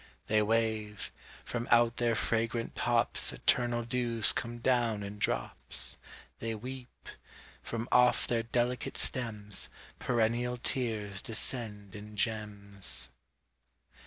They wave: from out their fragrant tops Eternal dews come down in drops. They weep: from off their delicate stems Perennial tears descend in gems.